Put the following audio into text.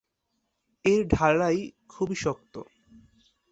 এর ঢালাই খুবই শক্ত।